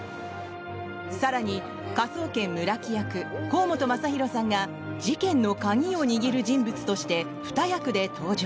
更に、科捜研・村木役甲本雅裕さんが事件の鍵を握る人物としてふた役で登場。